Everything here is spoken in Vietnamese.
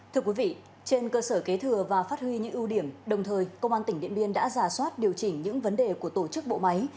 thưa quý vị trên cơ sở kế thừa và phát huy những ưu điểm đồng thời công an tỉnh điện biên đã giả soát điều chỉnh những vấn đề của tổ chức bộ máy